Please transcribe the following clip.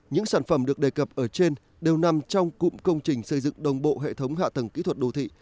những sản phẩm được đề cập ở trên đều nằm trong cụm công trình xây dựng đồng bộ hệ thống hạ tầng kỹ thuật đô thị